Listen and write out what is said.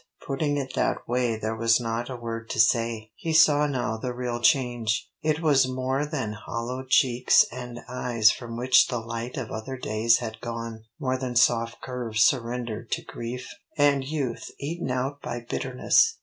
Putting it that way there was not a word to say. He saw now the real change. It was more than hollowed cheeks and eyes from which the light of other days had gone, more than soft curves surrendered to grief and youth eaten out by bitterness.